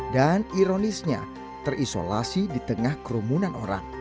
dan ironisnya terisolasi di tengah kerumunan orang